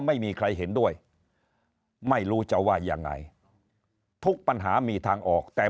ไม่มีใครเห็นด้วยไม่รู้จะว่ายังไงทุกปัญหามีทางออกแต่